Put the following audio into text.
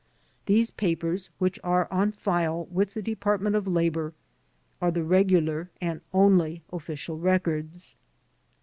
These papers, which are on file with the Department of Labor, are the regular and only official records.